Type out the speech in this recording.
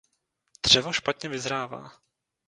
Dřevo špatně vyzrává.